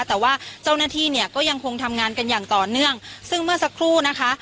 แต่ว่าเจ้าหน้าที่เนี่ยก็ยังคงทำงานกันอย่างต่อเนื่องซึ่งเมื่อสักครู่นะคะ